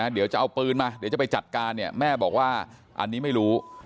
เดี๋ยวจะเอาปืนมาเดี๋ยวจะไปจัดการเนี่ยแม่บอกว่าอันนี้ไม่รู้